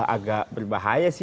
agak berbahaya sih